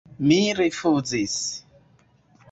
Mi rifuzis.